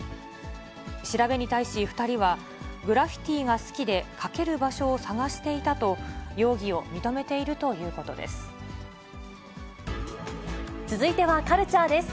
調べに対し２人は、グラフィティが好きで、描ける場所を探していたと、容疑を認めて続いてはカルチャーです。